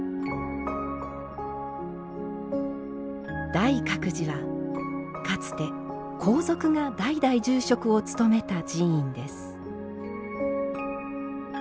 大覚寺はかつて皇族が代々住職を務めた寺院です。